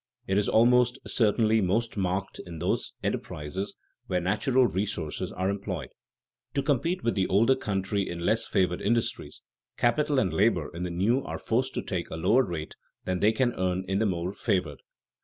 It is almost certainly most marked in those enterprises where natural resources are employed. To compete with the older country in less favored industries, capital and labor in the new are forced to take a lower rate than they can earn in the more favored.